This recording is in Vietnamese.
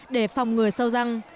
để phòng người sâu răng